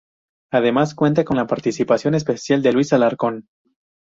Además, cuenta con la participación especial de Luis Alarcón.